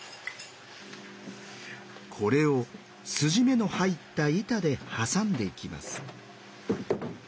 これを筋目の入った板で挟んでいきます。